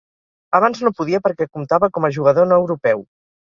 Abans no podia perquè comptava com a jugador no europeu.